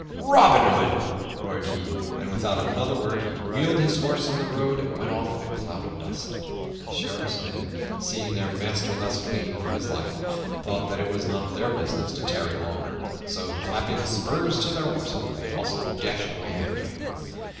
"Robin Hood!" roared he, and without another word he wheeled his horse in the road and went off in a cloud of dust. The Sheriff's men, seeing their master thus fleeing for his life, thought that it was not their business to tarry longer, so, clapping spurs to their horses, they also dashed away after him.